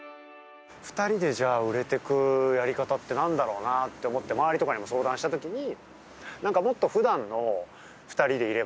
２人で売れてくやり方って何だろうなって思って周りとかにも相談した時に。